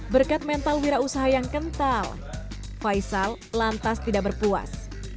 berkat mental wira usaha yang kental faisal lantas tidak berpuas